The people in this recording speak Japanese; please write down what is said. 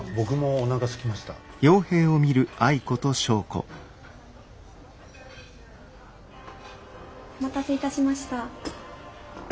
お待たせいたしました。